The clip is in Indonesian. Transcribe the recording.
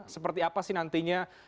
seperti apa sih nantinya